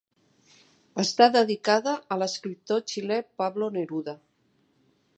Està dedicada a l'escriptor xilè Pablo Neruda.